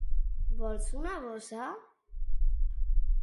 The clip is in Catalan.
Vols una bossa?